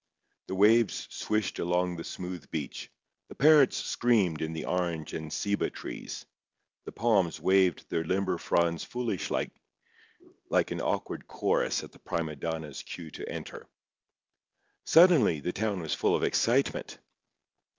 The waves swished along the smooth beach; the parrots screamed in the orange and ceiba trees; the palms waved their limber fronds foolishly like an awkward chorus at the prima donna's cue to enter. Suddenly the town was full of excitement.